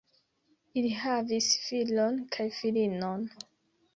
Ili havis filon kaj filinon.